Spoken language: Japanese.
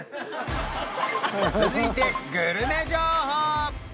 続いてグルメ情報！